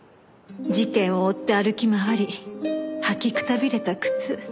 事件を追って歩き回り履きくたびれた靴。